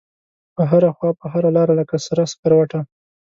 په هره خواپه هره لاره لکه سره سکروټه